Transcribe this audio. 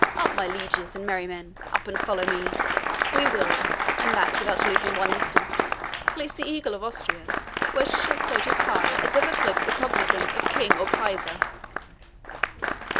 Up, my lieges and merry men; up and follow me! We will and that without losing one instant place the eagle of Austria where she shall float as high as ever floated the cognizance of king or kaiser."